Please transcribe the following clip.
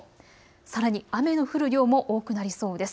さらに雨の降る量も多くなりそうです。